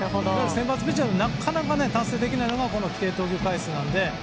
先発ピッチャーでなかなか達成できないのがこの規定投球回数なので。